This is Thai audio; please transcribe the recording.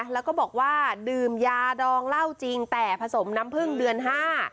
แล้วก็บอกว่าดื่มยาดองเหล้าจริงแต่ผสมน้ำพึ่งเดือนห้า